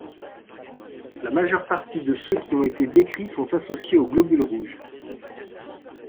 La majeure partie de ceux qui ont été décrits sont associés aux globules rouges.